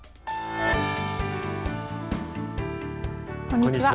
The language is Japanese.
こんにちは。